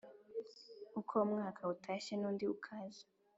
Uko umwaka utashye nundi ukaza